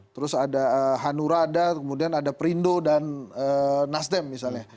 terus ada hanurada kemudian ada perindo dan nasdem misalnya